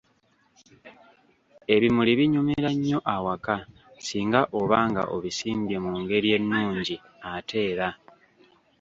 Ebimuli binyumira nnyo awaka singa oba nga obisimbye mu ngeri ennungi ate era